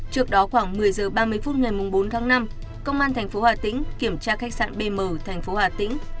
trước đó khoảng một mươi h ba mươi phút ngày bốn tháng năm công an thành phố hà tĩnh kiểm tra khách sạn bm thành phố hà tĩnh